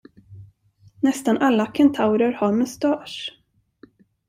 Nästan alla kentaurer har mustasch.